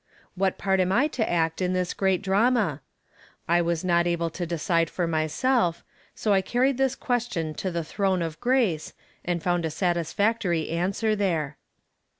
What part am I to act in this great drama? I was not able to decide for myself so I carried this question to the Throne of Grace, and found a satisfactory answer there.